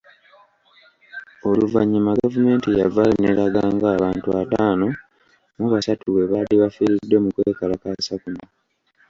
Oluvannyuma gavumenti yavaayo n’eraga ng’abantu ataano mu basatu bwe baali bafiiridde mu kwekalakaasa kuno .